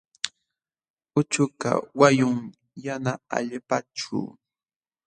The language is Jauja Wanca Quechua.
Uchukaq wayun yana allpaćhu.